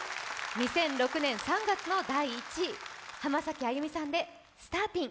２００６年３月の第１位、浜崎あゆみさんで「Ｓｔａｒｔｉｎ’」。